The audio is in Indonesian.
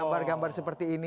gambar gambar seperti ini